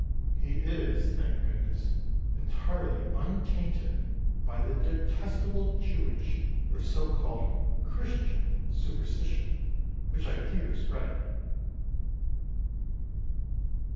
He is, thank goodness, entirely untainted by the detestable Jewish or so called "Christian" superstition, which I fear is spreading.